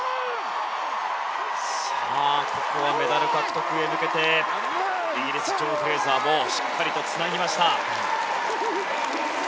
ここはメダル獲得へ向けてイギリスのジョー・フレーザーしっかりつなぎました。